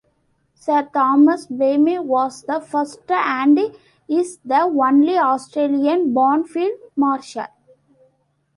Sir Thomas Blamey was the first and is the only Australian-born field marshal.